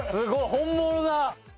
本物だ！